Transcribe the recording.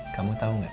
kamu tau gak